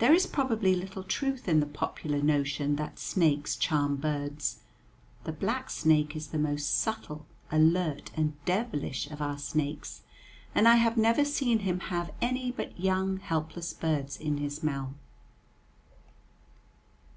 There is probably little truth in the popular notion that snakes charm birds. The black snake is the most subtle, alert, and devilish of our snakes, and I have never seen him have any but young, helpless birds in his mouth.